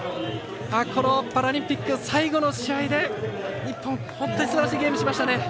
このパラリンピック最後の試合で日本、本当にすばらしいゲームしましたね。